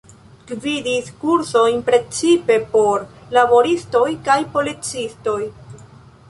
Gvidis kursojn precipe por laboristoj kaj policistoj.